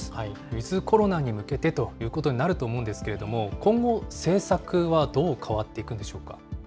ウィズコロナに向けてということになると思うんですけれども、今後、政策はどう変わっていくんでしょうか。